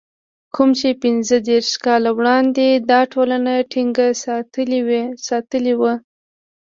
کوم چې پنځه دېرش کاله وړاندې دا ټولنه ټينګه ساتلې وه.